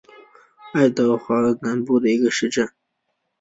爱德华兹县是美国伊利诺伊州东南部的一个县。